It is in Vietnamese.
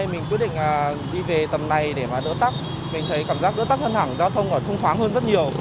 mình thấy cảm giác đỡ tắc hơn hẳn giao thông thông khoáng hơn rất nhiều